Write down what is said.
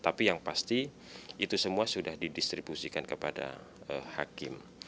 tapi yang pasti itu semua sudah didistribusikan kepada hakim